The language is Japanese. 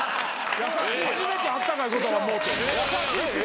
初めてあったかい言葉もうて。